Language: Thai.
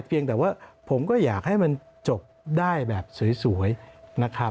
เพียงแต่ว่าผมก็อยากให้มันจบได้แบบสวยนะครับ